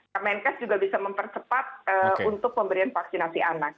kementerian kesehatan juga bisa mempercepat untuk pemberian vaksinasi anak